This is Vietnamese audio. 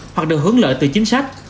hoặc được hướng lợi từ chính sách